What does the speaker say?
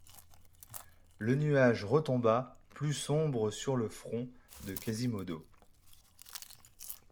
Le nuage retomba plus sombre sur le front de Quasimodo.